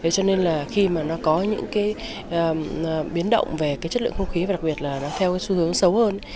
cho nên là khi mà nó có những biến động về chất lượng không khí và đặc biệt là nó theo xu hướng xấu hơn